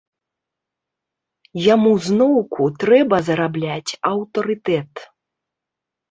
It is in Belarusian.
Яму зноўку трэба зарабляць аўтарытэт.